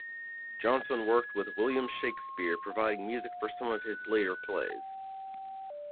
Johnson worked with William Shakespeare providing music for some of his later plays.